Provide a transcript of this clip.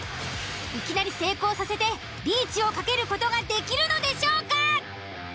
いきなり成功させてリーチをかける事ができるのでしょうか。